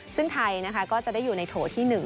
ซึ่งไทยนะคะก็จะได้อยู่ในโถที่๑